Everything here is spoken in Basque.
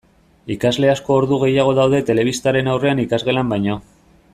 Ikasle asko ordu gehiago daude telebistaren aurrean ikasgelan baino.